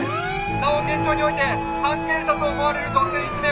「なお現場において関係者と思われる女性１名を確保。